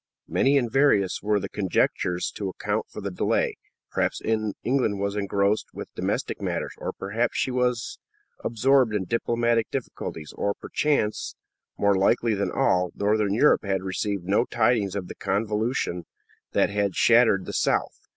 Many and various were the conjectures to account for the delay. Perhaps England was engrossed with domestic matters, or perhaps she was absorbed in diplomatic difficulties; or perchance, more likely than all, Northern Europe had received no tidings of the convulsion that had shattered the south.